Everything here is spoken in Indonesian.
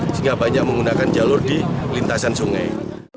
sehingga banyak menggunakan jalur di lintasan sungai